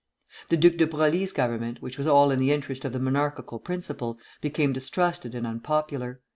The Duc de Broglie's government, which was all in the interest of the monarchical principle, became distrusted and unpopular.